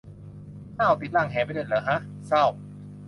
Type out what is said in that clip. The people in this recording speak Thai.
อ่าว ติดร่างแหไปด้วยเหรอฮะ เศร้า